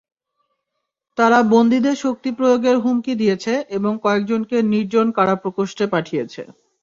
তারা বন্দীদের শক্তি প্রয়োগের হুমকি দিয়েছে এবং কয়েকজনকে নির্জন কারা প্রকোষ্ঠে পাঠিয়েছে।